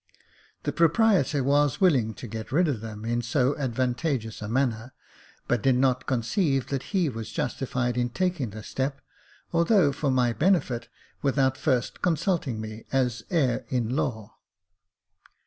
The proprietor was willing to get rid of them in so ad vantageous a manner, but did not conceive that he was justified in taking this step, although for my benefit, without first consulting me, as heir at law.